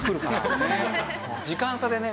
時間差でね